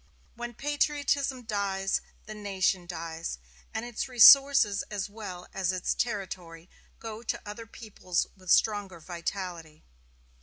When patriotism dies, the nation dies, and its resources as well as its territory go to other peoples with stronger vitality.